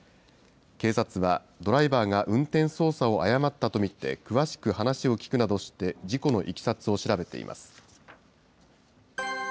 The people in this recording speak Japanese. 警察は、ドライバーが運転操作を誤ったと見て詳しく話を聞くなどして、事故のいきさつを調べています。